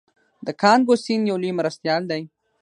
د کانګو سیند یو لوی مرستیال دی.